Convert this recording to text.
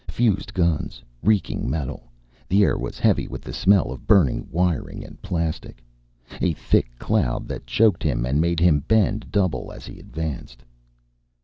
Fused guns, reeking metal. The air was heavy with the smell of burning wiring and plastic. A thick cloud that choked him and made him bend double as he advanced.